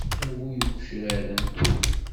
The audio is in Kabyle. A bu yigecraren.